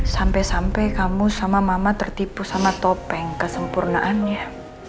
sampai sampai kamu sama mama tertipu sama topeng kesempurnaannya